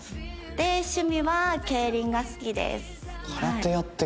で趣味は競輪が好きです。